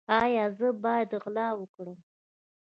ایا زه باید غلا وکړم؟